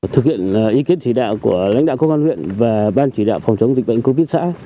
thực hiện ý kiến chỉ đạo của lãnh đạo công an huyện và ban chỉ đạo phòng chống dịch bệnh covid xã